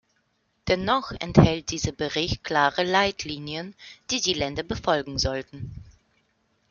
Dennoch enthält dieser Bericht klare Leitlinien, die die Länder befolgen sollten.